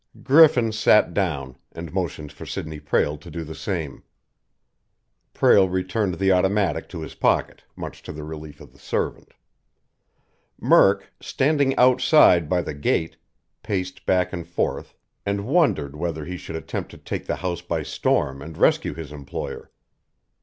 Griffin sat down and motioned for Sidney Prale to do the same. Prale returned the automatic to his pocket, much to the relief of the servant. Murk, standing outside by the gate, paced back and forth and wondered whether he should attempt to take the house by storm and rescue his employer.